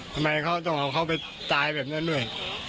ทำไมเขาต้องเอาเขาไปตายแบบนั้นด้วย